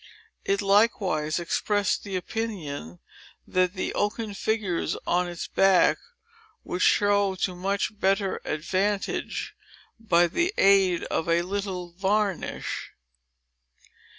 It likewise expressed the opinion, that the oaken figures on its back would show to much better advantage, by the aid of a little varnish.